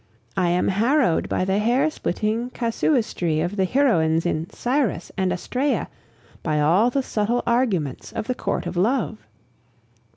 I am harrowed by the hair splitting casuistry of the heroines in Cyrus and Astraea, by all the subtle arguments of the court of love.